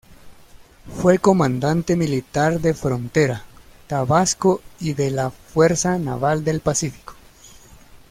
Fue comandante militar de Frontera, Tabasco y de la Fuerza Naval del Pacífico.